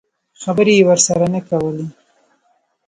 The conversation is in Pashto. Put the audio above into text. خبرې یې ورسره نه کولې.